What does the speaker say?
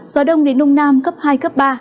gió đông đến đông nam cấp hai cấp ba